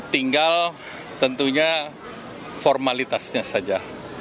tinggal tentunya formalitasnya saja